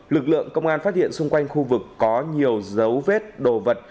lực lượng công an phát hiện xung quanh khu vực có nhiều dấu vết đồ vật